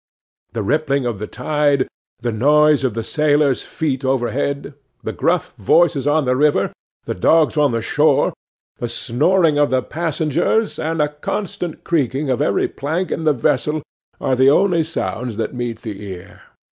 The rippling of the tide, the noise of the sailors' feet overhead, the gruff voices on the river, the dogs on the shore, the snoring of the passengers, and a constant creaking of every plank in the vessel, are the only sounds that meet the ear.